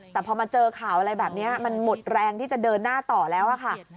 แต่พอมาเจอข่าวอะไรแบบนี้มันหมดแรงที่จะเดินหน้าต่อแล้วค่ะ